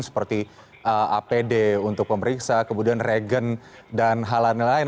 seperti apd untuk pemeriksa kemudian regen dan hal lain